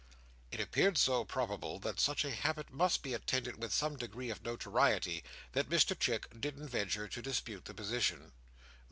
It appeared so probable that such a habit might be attended with some degree of notoriety, that Mr Chick didn't venture to dispute the position.